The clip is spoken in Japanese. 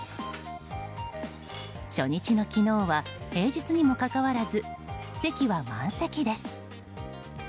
初日の昨日は平日にもかかわらず席は満席です。